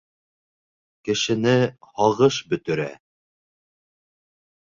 Кешене һағыш бөтөрә.